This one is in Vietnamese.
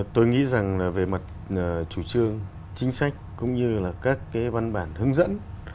tôi nghĩ rằng về mặt chủ trương chính sách cũng như các văn bản hướng dẫn